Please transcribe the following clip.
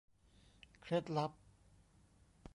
เคล็ดลับ